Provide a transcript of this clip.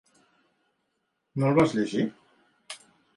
No el vas llegir?